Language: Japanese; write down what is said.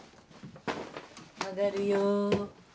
上がるよ。